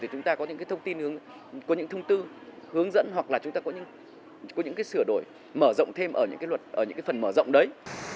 chúng ta có những thông tin có những thông tư hướng dẫn hoặc là chúng ta có những sửa đổi mở rộng thêm ở những phần mở rộng đấy